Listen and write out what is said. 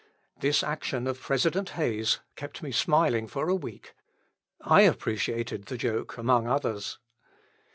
This action of President Hayes kept me smiling for a week I appreciated the joke among others.